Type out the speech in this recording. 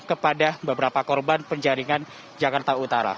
kepada beberapa korban penjaringan jakarta utara